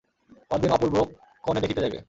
পরদিন অপূর্ব কনে দেখিতে যাইবে।